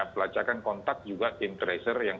pelacakan kontak juga intraser yang